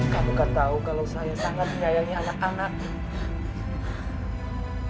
kamu kan tahu kalau saya sangat menyayangi anak anak